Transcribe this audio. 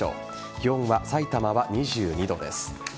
気温はさいたまは２２度です。